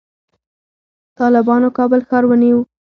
طالبانو کابل ښار ونیو